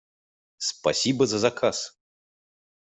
Спасибо за заказ!